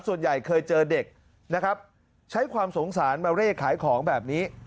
ส่วนใหญ่เคยเจอเด็กนะครับใช้ความสงสารมาเร่ขายของแบบนี้